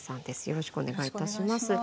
よろしくお願いします。